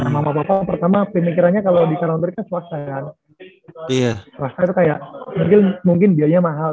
sama papa pertama pemikirannya kalau di karangturi kan swasta kan swasta itu kayak mungkin biayanya mahal